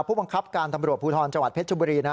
ผู้บังคับการตำรวจภูทรจังหวัดเพชรบุรี